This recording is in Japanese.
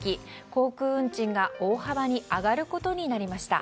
航空運賃が大幅に上がることになりました。